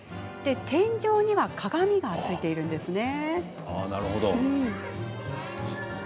天井には鏡がついてるんですね。